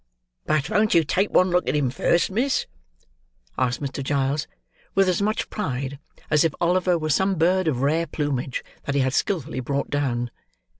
"But won't you take one look at him, first, miss?" asked Mr. Giles, with as much pride as if Oliver were some bird of rare plumage, that he had skilfully brought down.